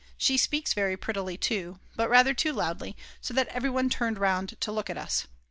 She speaks very prettily too, but rather too loudly, so that everyone turned round to look at us.